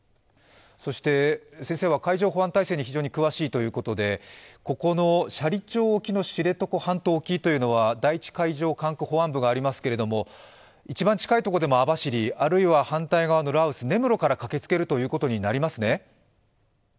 そして先生は海上保安体制に詳しいということでここの斜里町の沖は第一管区海上保安部がありますけれども、一番近いところでも網走、あるいは反対側の羅臼、根室から駆けつけるということになりますね？